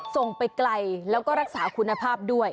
ไปไกลแล้วก็รักษาคุณภาพด้วย